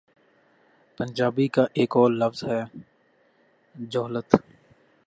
پنجابی کا ایک اور لفظ ہے، ' جھلت‘۔